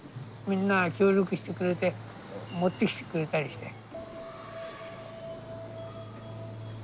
みんな協力してくれて持ってきてくれたりして。